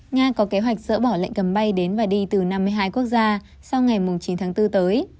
nga có kế hoạch dỡ bỏ lệnh cấm bay đến và đi từ năm mươi hai quốc gia sau ngày chín tháng bốn tới